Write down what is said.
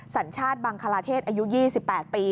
สัญชาติบังคลาเทศอายุ๒๘ปี